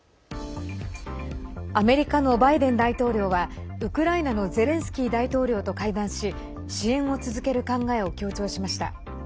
アメリカのバイデン大統領はウクライナのゼレンスキー大統領と会談し支援を続ける考えを強調しました。